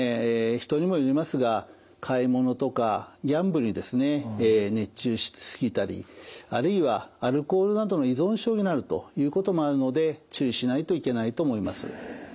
人にもよりますが買い物とかギャンブルに熱中し過ぎたりあるいはアルコールなどの依存症になるということもあるので注意しないといけないと思います。